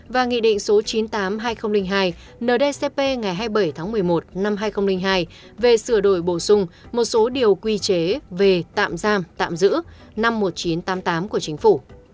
và nghị định số chín mươi tám hai nghìn hai ndcp ngày hai mươi bảy tháng một mươi một năm hai nghìn hai về sửa đổi bổ sung một số điều quy chế về tạm giam tạm giữ năm một nghìn chín trăm tám mươi tám của chính phủ